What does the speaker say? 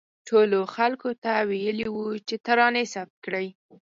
ټولو خلکو ته ویلي وو چې ترانې ثبت کړي.